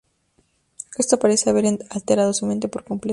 Esto parece haber alterado su mente por completo.